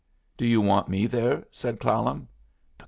"Do you want me there?" said Clallam.